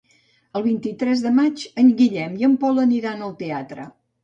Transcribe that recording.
El vint-i-tres de maig en Guillem i en Pol aniran al teatre.